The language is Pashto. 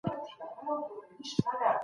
دولت ته باید استحکام وبخښل سي.